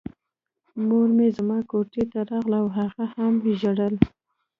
مور مې زما کوټې ته راغله او هغې هم ژړل